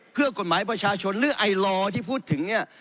เพื่อกฎหมายประชาชนหรือไอลอร์ที่พูดถึงเนี่ย